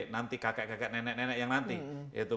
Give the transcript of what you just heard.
nanti kakek kakek nenek nenek yang nanti yaitu